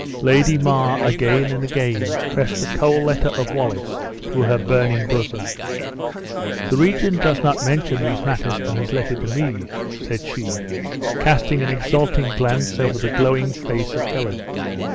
Lady Mar again and again pressed the cold letter of Wallace to her burning bosom. "The regent does not mention these matters in his letter to me," said she, casting an exulting glance over the glowing face of Helen.